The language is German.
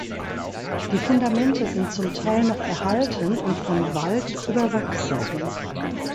Die Fundamente sind zum Teil noch erhalten und von Wald überwachsen.